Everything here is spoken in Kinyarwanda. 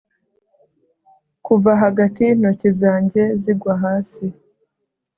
kuva hagati y'intoki zanjye zigwa hasi